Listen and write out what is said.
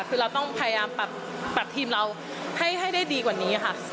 คือเราต้องพยายามปรับทีมเราให้ได้ดีกว่านี้ค่ะ